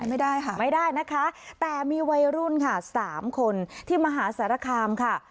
ไม่ได้ค่ะไม่ได้นะคะแต่มีวัยรุ่นค่ะสามคนที่มหาสารคามค่ะ